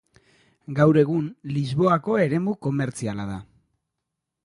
Gaur egun Lisboako eremu komertziala da.